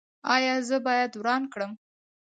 ایا زه باید وران کړم؟